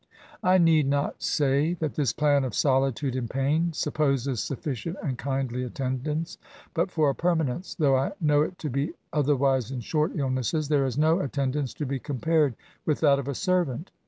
I need not say that this plan of solitude in pain supposes sufficient and kindly attendance; but, for a permanence, (though I know it to be other wise in short illnesses,) there is no attendance to be compared with that of a servant.